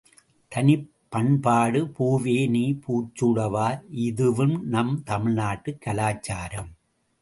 தனிப் பண்பாடு பூவே நீ பூச்சூடவா இதுவும் நம் தமிழ் நாட்டுக் கலாச்சாரம்.